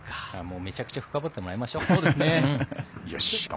めちゃくちゃ深掘ってもらいましょう。